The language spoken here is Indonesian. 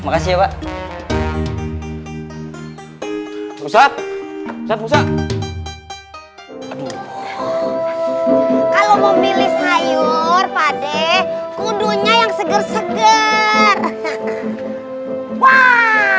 kalau mau pilih sayur pade kudunya yang seger seger